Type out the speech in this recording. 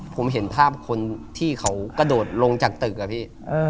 ผมเห็นภาพคนที่เขากระโดดลงจากตึกอะพี่